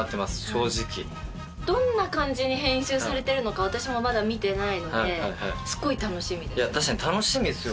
正直どんな感じに編集されてるのか私もまだ見てないのですごい楽しみです